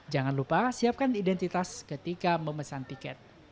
jangan lupa siapkan identitas ketika memesan tiket